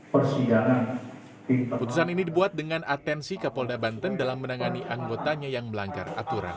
persiapan putusan ini dibuat dengan atensi kapolda banten dalam menangani anggotanya yang melanggar aturan